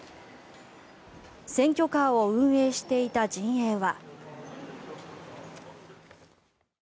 選挙カーを運営していた陣営は。